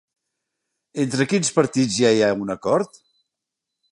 Entre quins partits ja hi ha un acord?